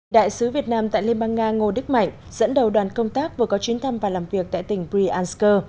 đại sứ việt nam tại liên bang nga ngô đức mạnh dẫn đầu đoàn công tác vừa có chuyến thăm và làm việc tại tỉnh bryansk